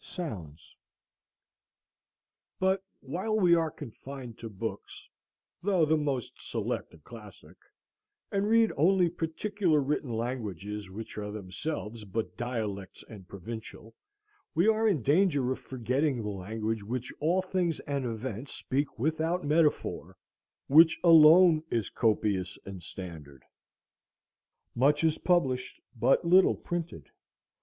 Sounds But while we are confined to books, though the most select and classic, and read only particular written languages, which are themselves but dialects and provincial, we are in danger of forgetting the language which all things and events speak without metaphor, which alone is copious and standard. Much is published, but little printed.